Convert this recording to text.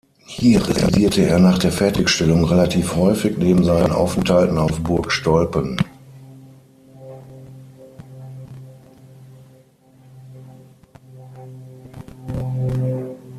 Hier residierte er nach der Fertigstellung relativ häufig neben seinen Aufenthalten auf Burg Stolpen.